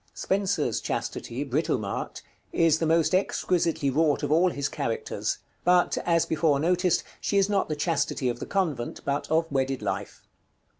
Spenser's Chastity, Britomart, is the most exquisitely wrought of all his characters; but, as before noticed, she is not the Chastity of the convent, but of wedded life.